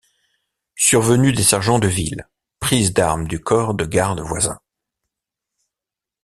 Survenue des sergents de ville, prise d’armes du corps de garde voisin.